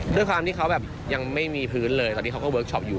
ด้วยความที่เขาแบบยังไม่มีพื้นเลยตอนนี้เขาก็เวิร์คชอปอยู่